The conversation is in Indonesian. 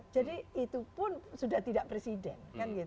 jadi itu pun sudah tidak presiden